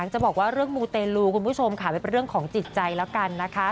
จะบอกว่าเรื่องมูเตลูคุณผู้ชมค่ะเป็นเรื่องของจิตใจแล้วกันนะคะ